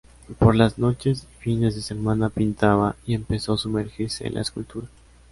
Por las noches y fines de semana pintaba y empezó sumergirse en la escultura.